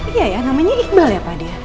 iya ya namanya iqbal ya pak dea